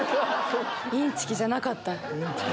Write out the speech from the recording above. インチキじゃなかった。